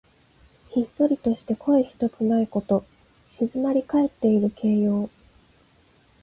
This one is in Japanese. ひっそりとして声ひとつないこと。静まりかえっている形容。